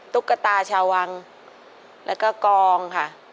ตุ๊กตาชาววังแล้วก็กองค่ะ